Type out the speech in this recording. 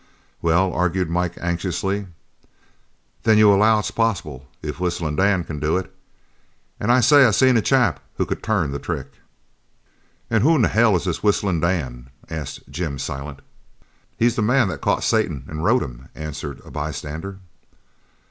"Well," argued Mike anxiously, "then you allow it's possible if Whistlin' Dan can do it. An' I say I seen a chap who could turn the trick." "An' who in hell is this Whistlin' Dan?" asked Jim Silent. "He's the man that caught Satan, an' rode him," answered a bystander.